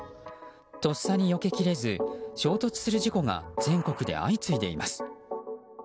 とっさによけきれず衝突する事故が全国で相次いでいます。